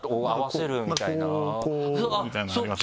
こうみたいなのありますね。